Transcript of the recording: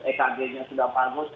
ekg nya sudah bagus